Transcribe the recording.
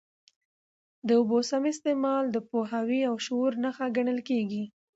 د اوبو سم استعمال د پوهاوي او شعور نښه ګڼل کېږي.